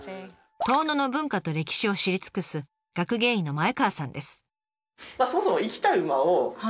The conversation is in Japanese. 遠野の文化と歴史を知り尽くす学芸員の前川さんです。